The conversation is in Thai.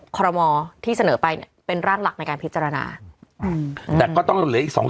คอรมอที่เสนอไปเนี่ยเป็นร่างหลักในการพิจารณาแต่ก็ต้องเหลืออีกสอง